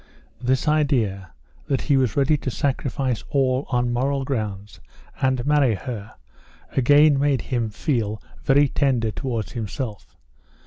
This idea, that he was ready to sacrifice all on moral grounds, and marry her, again made him feel very tender towards himself.